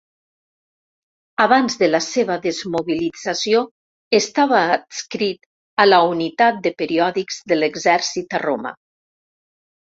Abans de la seva desmobilització estava adscrit a la Unitat de Periòdics de l'Exèrcit a Roma.